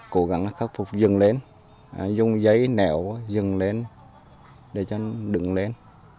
cố gắng là khắc phục dừng lên dùng giấy nẻo dừng lên để cho đựng lên